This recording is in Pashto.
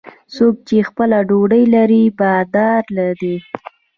څوک چې خپله ډوډۍ لري، بادار دی.